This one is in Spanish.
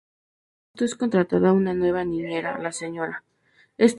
Tras esto es contratada una nueva niñera, la Sra.